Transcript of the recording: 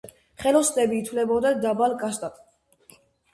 ხელოსნები ითვლებოდნენ დაბალ კასტად.